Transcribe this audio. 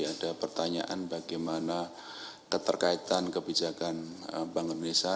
ada pertanyaan bagaimana keterkaitan kebijakan bank indonesia